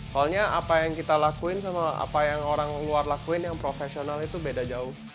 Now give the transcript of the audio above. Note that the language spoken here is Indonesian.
soalnya apa yang kita lakuin sama apa yang orang luar lakuin yang profesional itu beda jauh